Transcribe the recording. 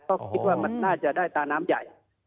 ก็คิดว่ามันน่าจะได้ตาน้ำใหญ่